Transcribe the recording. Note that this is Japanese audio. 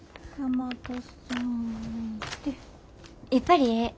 やっぱりええ。